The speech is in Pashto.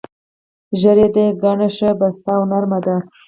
ږیره دې ګڼه، ښه پسته او نر مه ده.